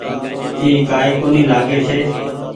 اي ڪآئي ڪونيٚ لآگي ڇي۔